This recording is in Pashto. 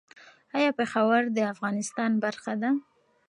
ایا پېښور د افغانستان برخه وه؟